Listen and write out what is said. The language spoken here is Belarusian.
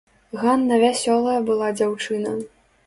Ганна вясёлая была дзяўчына.